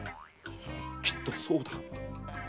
きっとそうだ。